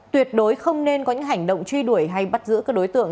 tuyệt đối không nên có những hành động truy đuổi hay bắt giữ các đối tượng